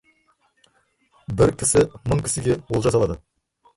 Бір кісі мың кісіге олжа салады.